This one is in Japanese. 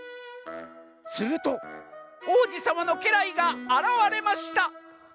「するとおうじさまのけらいがあらわれました」。